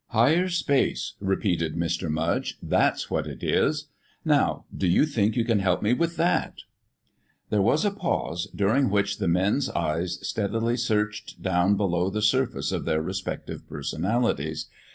"Higher Space," repeated Mr. Mudge, "that's what it is. Now, do you think you can help me with that?" There was a pause during which the men's eyes steadily searched down below the surface of their respective personalities.